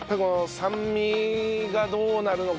酸味がどうなるのか？